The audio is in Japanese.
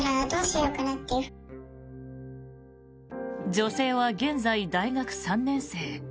女性は現在、大学３年生。